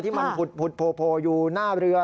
ที่มันหุดอยู่หน้าเรือ